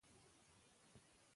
هغه غوښتل چي ژر کابل ته لاړ شي.